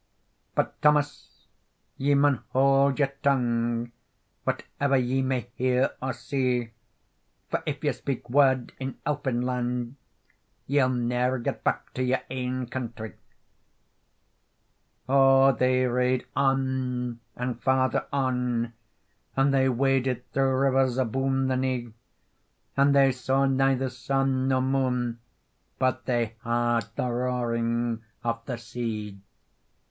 "But, Thomas, ye maun hold your tongue, Whatever ye may hear or see, For, if you speak word in Elflyn land, Ye'll neer get back to your ain countrie." O they rade on, and farther on, And they waded thro rivers aboon the knee, And they saw neither sun nor moon, But they heard the roaring of the sea.